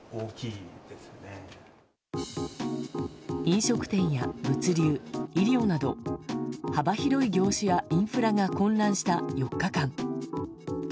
飲食店や物流、医療など幅広い業種やインフラが混乱した４日間。